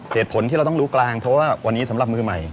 เหตุผลที่เราต้องรู้กลางเพราะว่าวันนี้สำหรับมือใหม่